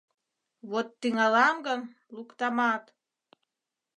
— Вот тӱҥалам гын, луктамат...